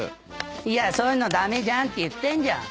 いやそういうの駄目じゃんって言ってんじゃん。